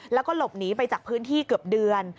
แล้วก็หลบหนีไปจากพื้นที่เกือบเดือน